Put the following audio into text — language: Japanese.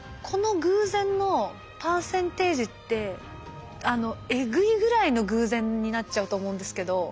この偶然のパーセンテージってえぐいぐらいの偶然になっちゃうと思うんですけど。